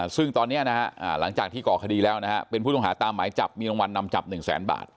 ซึ่งตอนนี้หลังจากที่ก่อคดีแล้วนะฮะเป็นผู้ต้องหาตามหมายจับมีรางวัลนำจับ๑แสนบาท